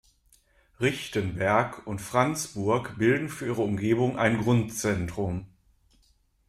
Richtenberg und Franzburg bilden für ihre Umgebung ein Grundzentrum.